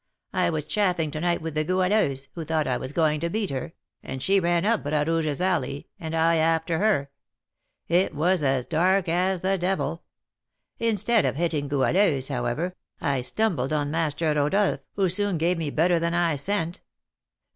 I was chaffing to night with the Goualeuse, who thought I was going to beat her, and she ran up Bras Rouge's alley, and I after her; it was as dark as the devil. Instead of hitting Goualeuse, however, I stumbled on Master Rodolph, who soon gave me better than I sent.